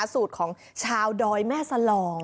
สูตรของชาวดอยแม่สลอง